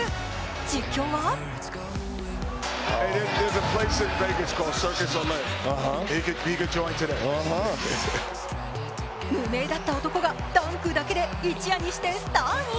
実況は無名だった男がダンクだけで一夜にしてスターに。